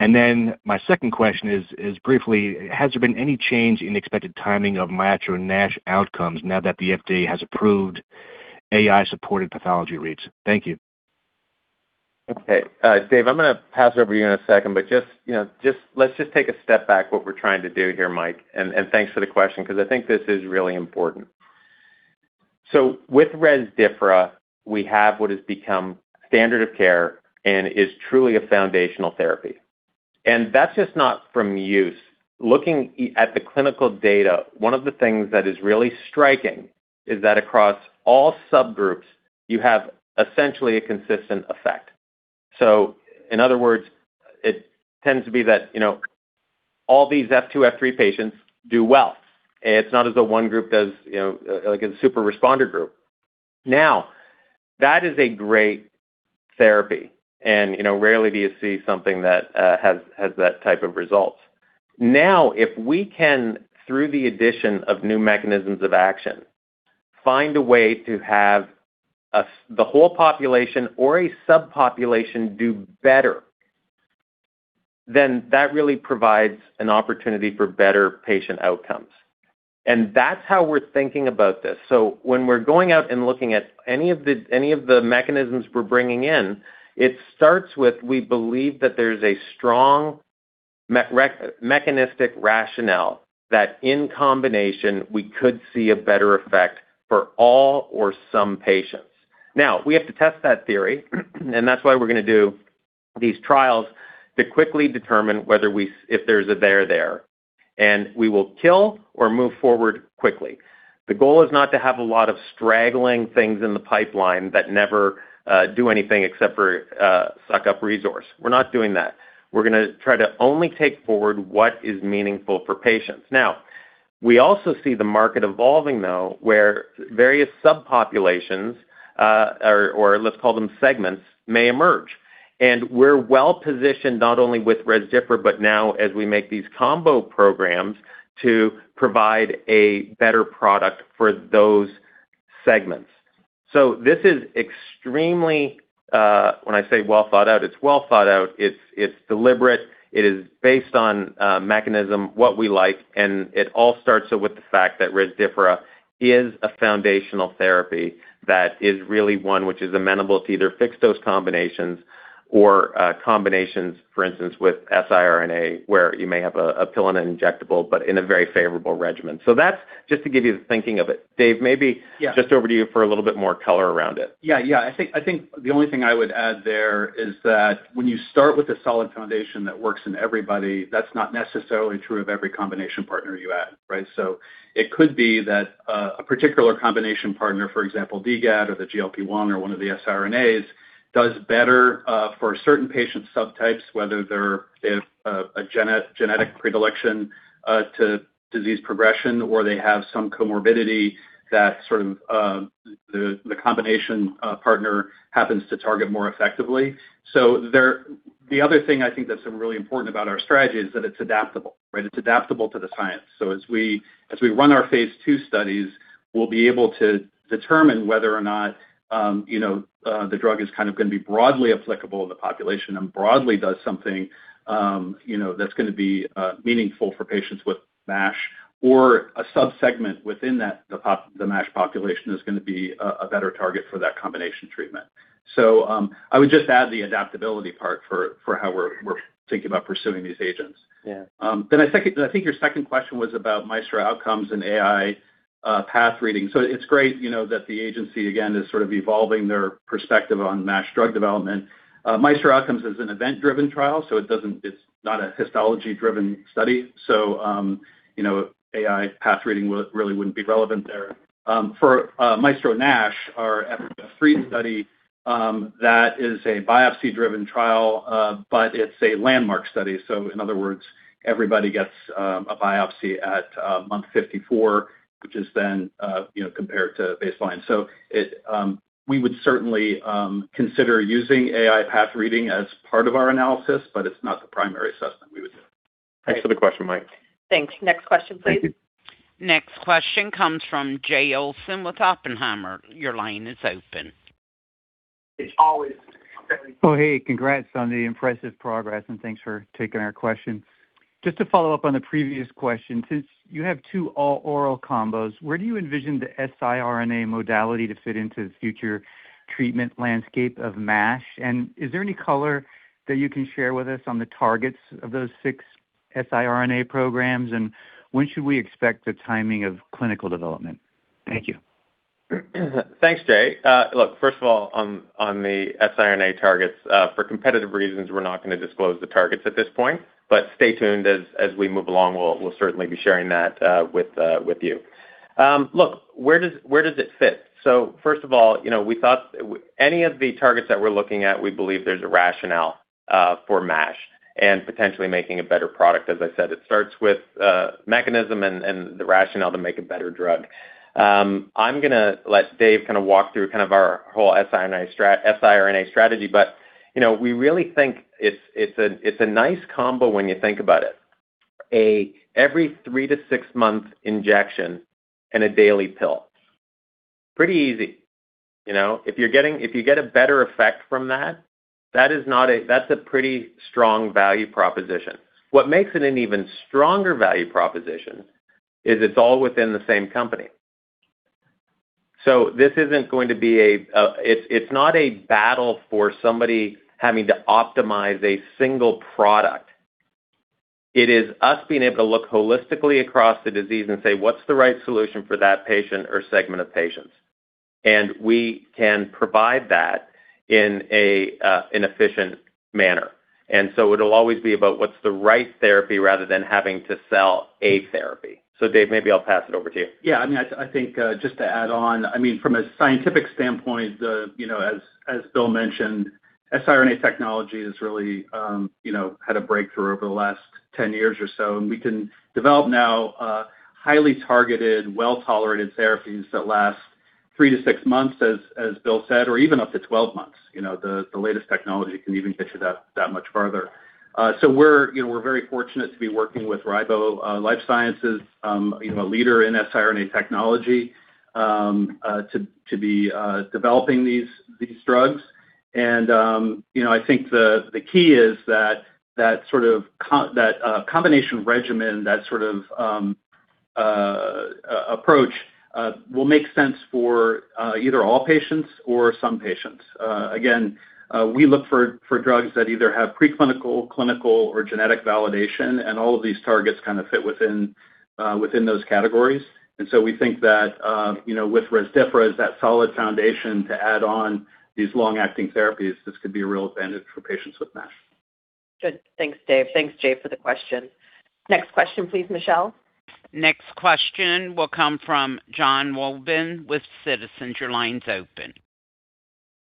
And then my second question is briefly: Has there been any change in expected timing of MAESTRO-NASH outcomes now that the FDA has approved AI-supported pathology reads? Thank you. Okay, Dave, I'm gonna pass over to you in a second, but just, you know, let's just take a step back, what we're trying to do here, Mike, and thanks for the question because I think this is really important. So with Rezdiffra, we have what has become standard of care and is truly a foundational therapy. And that's just not from use. Looking at the clinical data, one of the things that is really striking is that across all subgroups, you have essentially a consistent effect. So in other words, it tends to be that, you know, all these F2, F3 patients do well. It's not as though one group does, you know, like a super responder group. Now, that is a great therapy, and, you know, rarely do you see something that has that type of results. Now, if we can, through the addition of new mechanisms of action, find a way to have the whole population or a subpopulation do better, then that really provides an opportunity for better patient outcomes. And that's how we're thinking about this. So when we're going out and looking at any of the, any of the mechanisms we're bringing in, it starts with, we believe that there's a strong mechanistic rationale that in combination, we could see a better effect for all or some patients. Now, we have to test that theory, and that's why we're gonna do these trials to quickly determine whether if there's a there, there, and we will kill or move forward quickly. The goal is not to have a lot of straggling things in the pipeline that never do anything except for suck up resource. We're not doing that. We're gonna try to only take forward what is meaningful for patients. Now... We also see the market evolving, though, where various subpopulations, or, or let's call them segments, may emerge. And we're well-positioned not only with Rezdiffra, but now as we make these combo programs, to provide a better product for those segments. So this is extremely, when I say well thought out, it's well thought out. It's, it's deliberate. It is based on, mechanism, what we like, and it all starts with the fact that Rezdiffra is a foundational therapy that is really one which is amenable to either fixed those combinations or, combinations, for instance, with siRNA, where you may have a pill and an injectable, but in a very favorable regimen. So that's just to give you the thinking of it. Dave, maybe- Yeah. Just over to you for a little bit more color around it. Yeah, yeah. I think, I think the only thing I would add there is that when you start with a solid foundation that works in everybody, that's not necessarily true of every combination partner you add, right? So it could be that a particular combination partner, for example, DGAT or the GLP-1 or one of the siRNAs, does better for certain patient subtypes, whether they're a genetic predilection to disease progression, or they have some comorbidity that sort of the combination partner happens to target more effectively. So there... The other thing I think that's really important about our strategy is that it's adaptable, right? It's adaptable to the science. So as we run our phase 2 studies, we'll be able to determine whether or not, you know, the drug is kind of gonna be broadly applicable in the population and broadly does something, you know, that's gonna be meaningful for patients with MASH, or a subsegment within that, the MASH population is gonna be a better target for that combination treatment. So, I would just add the adaptability part for how we're thinking about pursuing these agents. Yeah. Then I think your second question was about MAESTRO Outcomes and AI path reading. So it's great, you know, that the agency, again, is sort of evolving their perspective on MASH drug development. MAESTRO Outcomes is an event-driven trial, so it doesn't, it's not a histology-driven study. So, you know, AI path reading would really wouldn't be relevant there. For MAESTRO-NASH, our F3 study, that is a biopsy-driven trial, but it's a landmark study. So in other words, everybody gets a biopsy at month 54, which is then, you know, compared to baseline. So, we would certainly consider using AI path reading as part of our analysis, but it's not the primary assessment we would do. Thanks for the question, Mike. Thanks. Next question, please. Thank you. Next question comes from Jay Olson with Oppenheimer. Your line is open. It's always... Oh, hey, congrats on the impressive progress, and thanks for taking our question. Just to follow up on the previous question, since you have two all-oral combos, where do you envision the siRNA modality to fit into the future treatment landscape of MASH? And is there any color that you can share with us on the targets of those six siRNA programs, and when should we expect the timing of clinical development? Thank you. Thanks, Jay. Look, first of all, on the siRNA targets, for competitive reasons, we're not gonna disclose the targets at this point, but stay tuned as we move along, we'll certainly be sharing that with you. Look, where does it fit? So first of all, you know, we thought any of the targets that we're looking at, we believe there's a rationale for MASH and potentially making a better product. As I said, it starts with mechanism and the rationale to make a better drug. I'm gonna let Dave kind of walk through our whole siRNA strategy, but you know, we really think it's a nice combo when you think about it. A every 3-6 month injection and a daily pill. Pretty easy. You know, if you get a better effect from that, that is not a... That's a pretty strong value proposition. What makes it an even stronger value proposition is it's all within the same company. So this isn't going to be a, it's not a battle for somebody having to optimize a single product. It is us being able to look holistically across the disease and say, "What's the right solution for that patient or segment of patients?" And we can provide that in an efficient manner. And so it'll always be about what's the right therapy rather than having to sell a therapy. So Dave, maybe I'll pass it over to you. Yeah, I mean, I, I think, just to add on, I mean, from a scientific standpoint, you know, as, as Bill mentioned, siRNA technology has really, you know, had a breakthrough over the last 10 years or so, and we can develop now, highly targeted, well-tolerated therapies that last 3-6 months, as, as Bill said, or even up to 12 months. You know, the, the latest technology can even get you that, that much farther. So we're, you know, we're very fortunate to be working with Ribo Life Science, you know, a leader in siRNA technology, to, to be, developing these, these drugs. And, you know, I think the key is that that sort of combination regimen, that sort of approach will make sense for either all patients or some patients. Again, we look for drugs that either have preclinical, clinical, or genetic validation, and all of these targets kind of fit within those categories. And so we think that, you know, with Rezdiffra, that solid foundation to add on these long-acting therapies, this could be a real advantage for patients with MASH. Good. Thanks, Dave. Thanks, Jay, for the question. Next question, please, Michelle. Next question will come from Jon Wolleben with Citizens. Your line's open.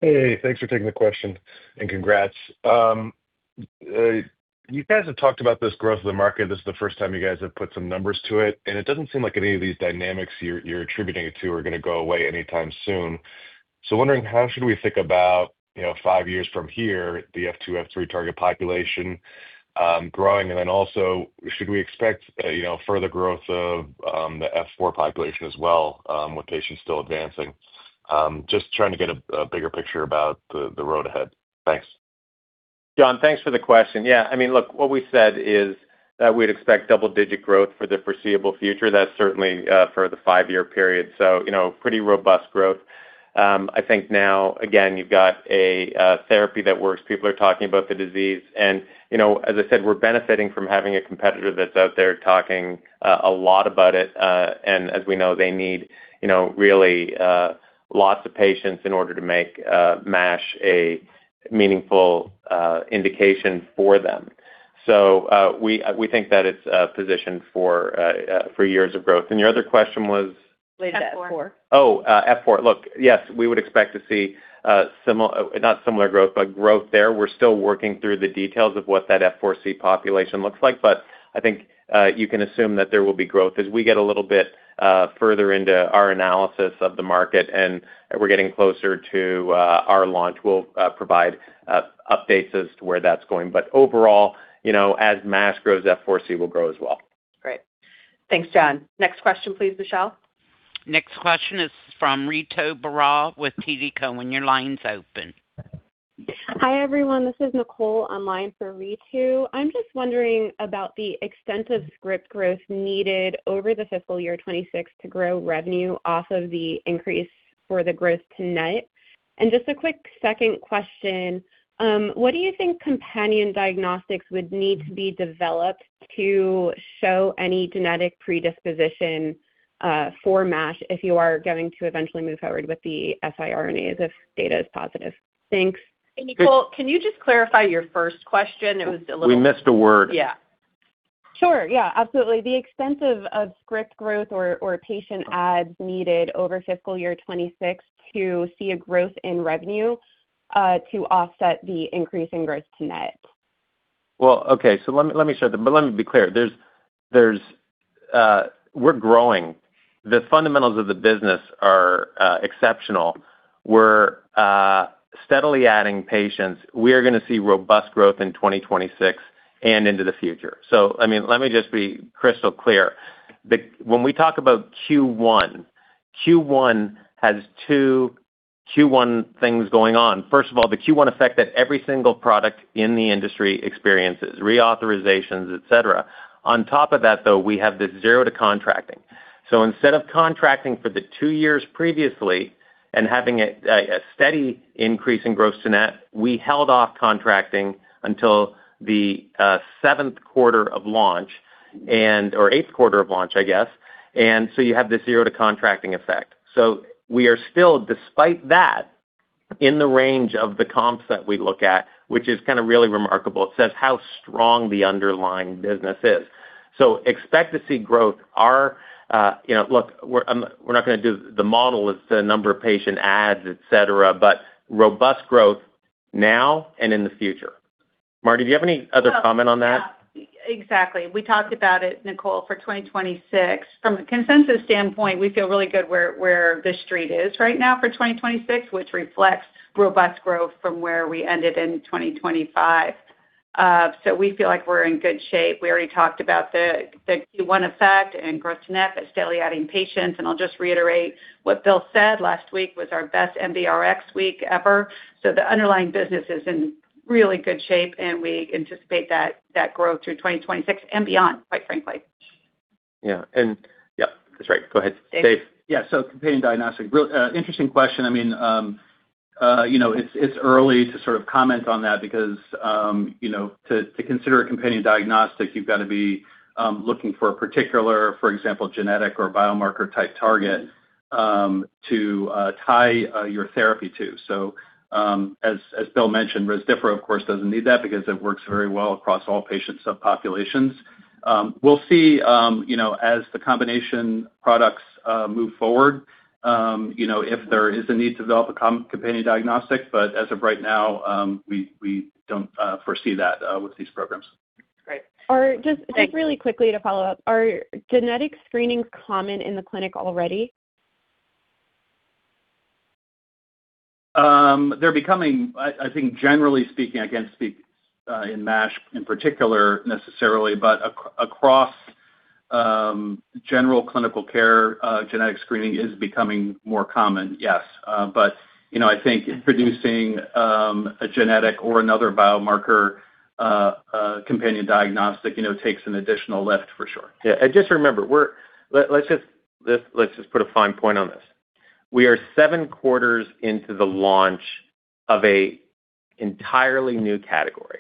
Hey, thanks for taking the question, and congrats. You guys have talked about this growth of the market. This is the first time you guys have put some numbers to it, and it doesn't seem like any of these dynamics you're attributing it to are going to go away anytime soon. So wondering, how should we think about, you know, five years from here, the F two, F three target population growing? And then also, should we expect, you know, further growth of the F four population as well, with patients still advancing? Just trying to get a bigger picture about the road ahead. Thanks. Jon, thanks for the question. Yeah, I mean, look, what we said is that we'd expect double-digit growth for the foreseeable future. That's certainly for the five-year period, so you know, pretty robust growth. I think now, again, you've got a therapy that works. People are talking about the disease and, you know, as I said, we're benefiting from having a competitor that's out there talking a lot about it. And as we know, they need, you know, really lots of patients in order to make MASH a meaningful indication for them. So we think that it's for years of growth. And your other question was? F four. Oh, F4. Look, yes, we would expect to see similar... Not similar growth, but growth there. We're still working through the details of what that F4c population looks like. But I think you can assume that there will be growth. As we get a little bit further into our analysis of the market and we're getting closer to our launch, we'll provide updates as to where that's going. But overall, you know, as MASH grows, F4c will grow as well. Great. Thanks, Jon. Next question, please, Michelle. Next question is from Ritu Baral with TD Cowen. Your line's open. Hi, everyone. This is Nicole on the line for Ritu. I'm just wondering about the extent of script growth needed over the fiscal year 2026 to grow revenue off of the increase for the gross to net. Just a quick second question, what do you think companion diagnostics would need to be developed to show any genetic predisposition for MASH if you are going to eventually move forward with the siRNAs, if data is positive? Thanks. Hey, Nicole, can you just clarify your first question? It was a little- We missed a word. Yeah. Sure. Yeah, absolutely. The extent of script growth or patient adds needed over fiscal year 2026 to see a growth in revenue to offset the increase in gross to net. Well, okay, so let me, let me start, but let me be clear. There's... We're growing. The fundamentals of the business are exceptional. We're steadily adding patients. We are going to see robust growth in 2026 and into the future. So I mean, let me just be crystal clear. When we talk about Q1, Q1 has two Q1 things going on. First of all, the Q1 effect that every single product in the industry experiences, reauthorizations, et cetera. On top of that, though, we have this zero to contracting. So instead of contracting for the two years previously and having a steady increase in gross to net, we held off contracting until the seventh quarter of launch and, or eighth quarter of launch, I guess. And so you have this zero to contracting effect. So we are still, despite that, in the range of the comps that we look at, which is kind of really remarkable. It says how strong the underlying business is. So expect to see growth. Our, you know, look, we're not going to do the model is the number of patient adds, et cetera, but robust growth now and in the future. Mardi, do you have any other comment on that? Yeah, exactly. We talked about it, Nicole, for 2026. From a consensus standpoint, we feel really good where the street is right now for 2026, which reflects robust growth from where we ended in 2025. So we feel like we're in good shape. We already talked about the Q1 effect and growth net, but steadily adding patients. And I'll just reiterate what Bill said, last week was our best NBRX week ever. So the underlying business is in really good shape, and we anticipate that growth through 2026 and beyond, quite frankly. Yeah. And yeah, that's right. Go ahead, Dave. Yeah, so companion diagnostic, real interesting question. I mean, you know, it's early to sort of comment on that because, you know, to consider a companion diagnostic, you've got to be looking for a particular, for example, genetic or biomarker-type target, to tie your therapy to. So, as Bill mentioned, Rezdiffra, of course, doesn't need that because it works very well across all patient subpopulations. We'll see, you know, as the combination products move forward, you know, if there is a need to develop a companion diagnostic, but as of right now, we don't foresee that with these programs. Great. Just really quickly to follow up, are genetic screenings common in the clinic already? They're becoming, I think, generally speaking, I can't speak in MASH in particular, necessarily, but across general clinical care, genetic screening is becoming more common, yes. But, you know, I think producing a genetic or another biomarker companion diagnostic, you know, takes an additional lift for sure. Yeah, and just remember, we're let's just put a fine point on this. We are 7 quarters into the launch of an entirely new category.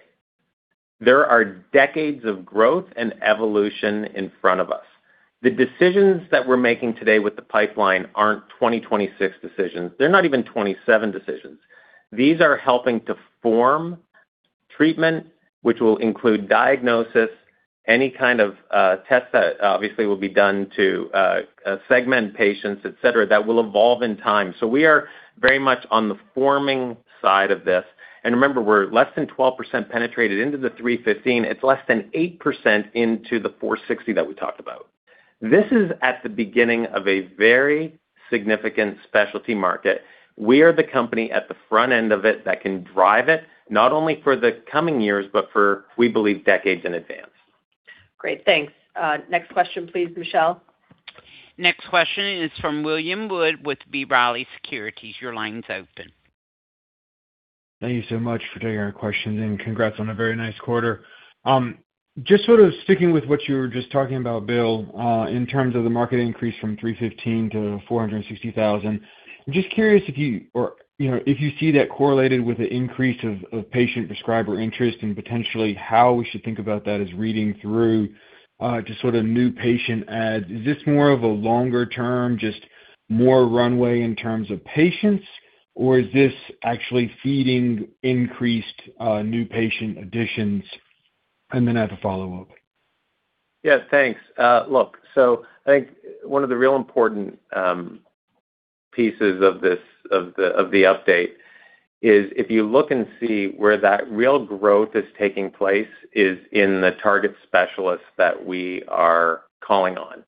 There are decades of growth and evolution in front of us. The decisions that we're making today with the pipeline aren't 2026 decisions. They're not even 2027 decisions. These are helping to form treatment, which will include diagnosis, any kind of tests that obviously will be done to segment patients, et cetera, that will evolve in time. So we are very much on the forming side of this. And remember, we're less than 12% penetrated into the 315. It's less than 8% into the 460 that we talked about. This is at the beginning of a very significant specialty market. We are the company at the front end of it that can drive it, not only for the coming years, but for, we believe, decades in advance. Great, thanks. Next question, please, Michelle. Next question is from William Wood with B. Riley Securities. Your line's open. Thank you so much for taking our questions, and congrats on a very nice quarter. Just sort of sticking with what you were just talking about, Bill, in terms of the market increase from 315 to 460,000, I'm just curious if you or, you know, if you see that correlated with the increase of, of patient prescriber interest and potentially how we should think about that as reading through, just sort of new patient adds. Is this more of a longer term, just more runway in terms of patients, or is this actually feeding increased, new patient additions? And then I have a follow-up. Yes, thanks. Look, so I think one of the real important pieces of this, of the update is if you look and see where that real growth is taking place, is in the target specialists that we are calling on.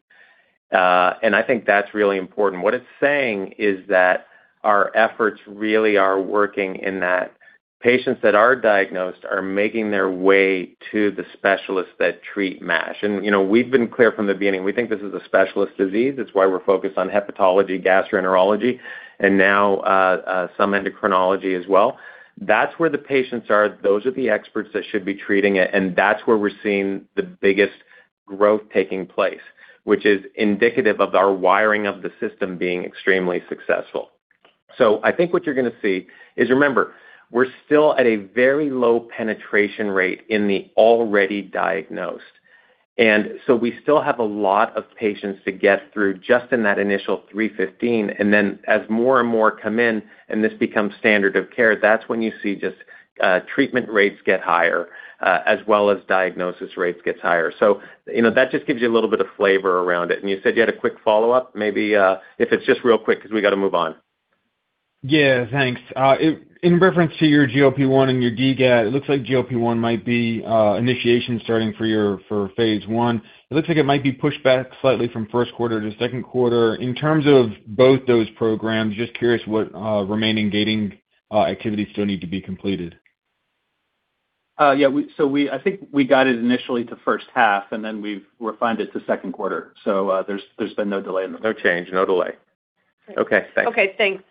And I think that's really important. What it's saying is that our efforts really are working, and that patients that are diagnosed are making their way to the specialists that treat MASH. And, you know, we've been clear from the beginning, we think this is a specialist disease. That's why we're focused on hepatology, gastroenterology, and now some endocrinology as well. That's where the patients are. Those are the experts that should be treating it, and that's where we're seeing the biggest growth taking place, which is indicative of our wiring of the system being extremely successful. So I think what you're gonna see is, remember, we're still at a very low penetration rate in the already diagnosed. And so we still have a lot of patients to get through just in that initial 315. And then as more and more come in and this becomes standard of care, that's when you see just treatment rates get higher as well as diagnosis rates gets higher. So, you know, that just gives you a little bit of flavor around it. And you said you had a quick follow-up, maybe, if it's just real quick, because we've got to move on. Yeah, thanks. In reference to your GLP-1 and your DGAT, it looks like GLP-1 might be initiation starting for your phase one. It looks like it might be pushed back slightly from first quarter to second quarter. In terms of both those programs, just curious what remaining gating activities still need to be completed. Yeah, so I think we got it initially to first half, and then we've refined it to second quarter. So, there's been no delay. No change, no delay. Okay, thanks. Okay, thanks.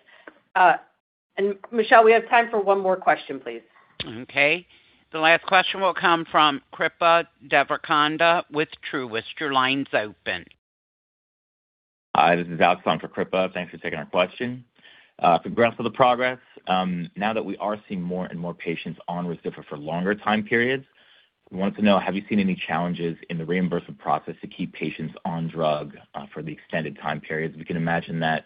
Michelle, we have time for one more question, please. Okay, the last question will come from Kripa Devarakonda with Truist. Your line's open. Hi, this is Alex calling for Kripa. Thanks for taking our question. Congrats for the progress. Now that we are seeing more and more patients on Rezdiffra for longer time periods, we want to know, have you seen any challenges in the reimbursement process to keep patients on drug for the extended time periods? We can imagine that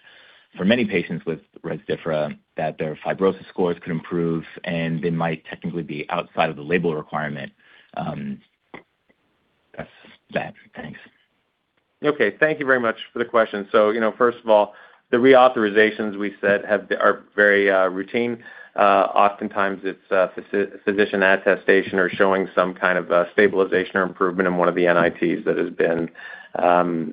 for many patients with Rezdiffra, that their fibrosis scores could improve, and they might technically be outside of the label requirement. That's that. Thanks. Okay. Thank you very much for the question. So, you know, first of all, the reauthorizations we said are very routine. Oftentimes it's physician attestation or showing some kind of stabilization or improvement in one of the NITs that has been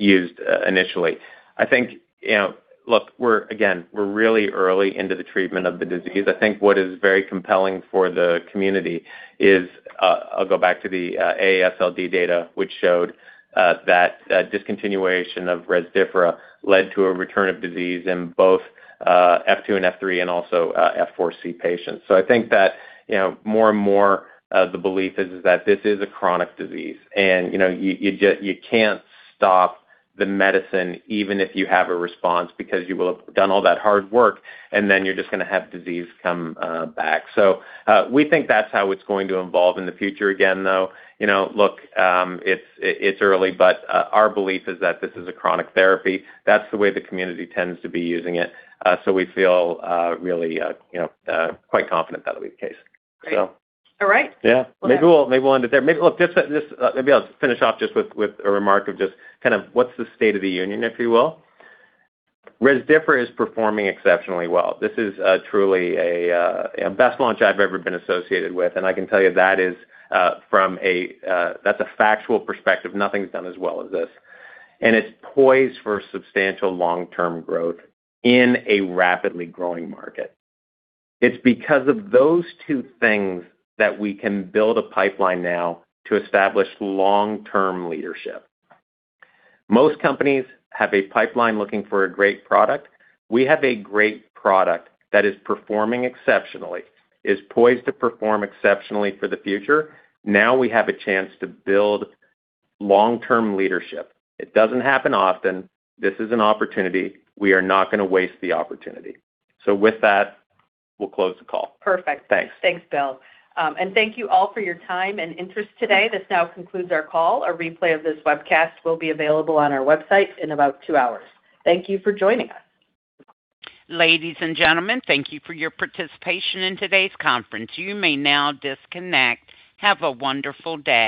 used initially. I think, you know, look, we're again, we're really early into the treatment of the disease. I think what is very compelling for the community is, I'll go back to the AASLD data, which showed that discontinuation of Rezdiffra led to a return of disease in both F2 and F3 and also F4c patients. So I think that, you know, more and more, the belief is that this is a chronic disease, and, you know, you just can't stop the medicine even if you have a response, because you will have done all that hard work, and then you're just gonna have disease come back. So, we think that's how it's going to evolve in the future. Again, though, you know, look, it's early, but our belief is that this is a chronic therapy. That's the way the community tends to be using it. So we feel really, you know, quite confident that'll be the case. Great. So. All right. Yeah. Maybe we'll, maybe we'll end it there. Maybe... Look, just, just, maybe I'll finish off just with, with a remark of just kind of what's the state of the union, if you will. Rezdiffra is performing exceptionally well. This is truly a best launch I've ever been associated with, and I can tell you that is from a... That's a factual perspective. Nothing's done as well as this. And it's poised for substantial long-term growth in a rapidly growing market. It's because of those two things that we can build a pipeline now to establish long-term leadership. Most companies have a pipeline looking for a great product. We have a great product that is performing exceptionally, is poised to perform exceptionally for the future. Now we have a chance to build long-term leadership. It doesn't happen often. This is an opportunity. We are not gonna waste the opportunity. With that, we'll close the call. Perfect. Thanks. Thanks, Bill. Thank you all for your time and interest today. This now concludes our call. A replay of this webcast will be available on our website in about two hours. Thank you for joining us. Ladies and gentlemen, thank you for your participation in today's conference. You may now disconnect. Have a wonderful day.